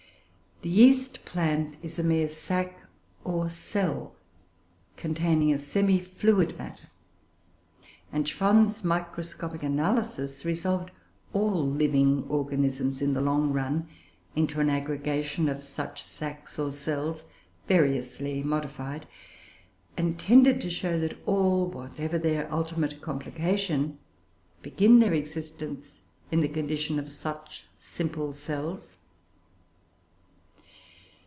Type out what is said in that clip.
The yeast plant is a mere sac, or "cell," containing a semi fluid matter, and Schwann's microscopic analysis resolved all living organisms, in the long run, into an aggregation of such sacs or cells, variously modified; and tended to show, that all, whatever their ultimate complication, begin their existence in the condition of such simple cells.